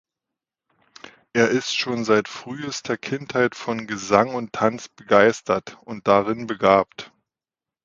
Er ist schon seit frühester Kindheit von Gesang und Tanz begeistert und darin begabt.